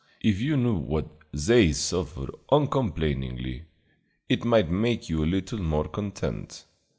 If you knew what they suffer uncomplainingly, it might make you a little more content."